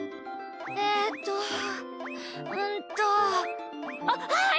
えっとうんとあっはい！